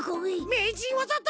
めいじんわざだ！